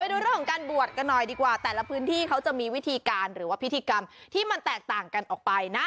ดูเรื่องของการบวชกันหน่อยดีกว่าแต่ละพื้นที่เขาจะมีวิธีการหรือว่าพิธีกรรมที่มันแตกต่างกันออกไปนะ